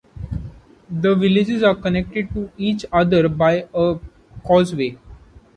The villages are connected to each other by a causeway.